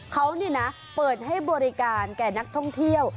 เขานี่นะเปิดให้บริการแก่นักท่องเที่ยว